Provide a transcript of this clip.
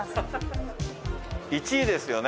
１位ですよね？